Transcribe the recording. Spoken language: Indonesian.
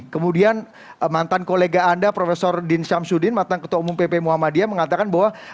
kemudian mantan kolega anda prof din syamsuddin mantan ketua umum pp muhammadiyah mengatakan bahwa